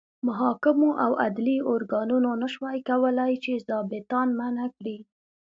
محاکمو او عدلي ارګانونو نه شوای کولای چې ظابیطان منع کړي.